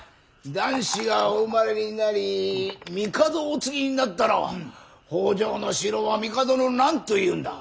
男子がお生まれになり帝をお継ぎになったら北条四郎は帝の何というんだ。